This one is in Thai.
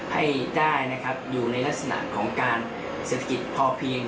ให้ได้นะครับอยู่ในลักษณะของการเศรษฐกิจพอเพียง